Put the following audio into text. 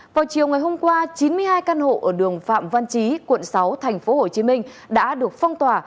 vào chiều ngày hôm qua chín mươi hai căn hộ ở đường phạm văn chí quận sáu tp hcm đã được phong tỏa